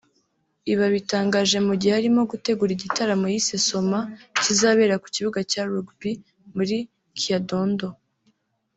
Ibi abitangaje mu gihe arimo gutegura igitaramo yise ‘Soma’ kizabera ku kibuga cya Rugby muri Kyadondo